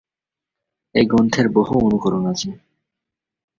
এই গ্রন্থের বহু অনুকরণ আছে।